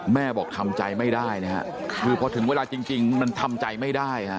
แม่บอกทำใจไม่ได้นะฮะคือพอถึงเวลาจริงมันทำใจไม่ได้ฮะ